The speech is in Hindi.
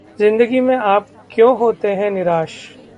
जिंदगी में आप क्यों होते हैं निराश?